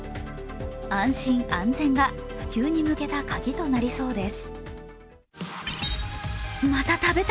安心・安全が普及に向けたカギとなりそうです。